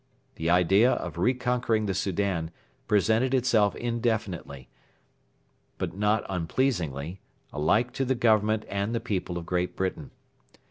The idea of re conquering the Soudan presented itself indefinitely, but not unpleasingly, alike to the Government and the people of Great Britain.